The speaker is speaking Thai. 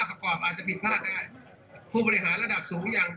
ประกอบการภูมิบรรยาย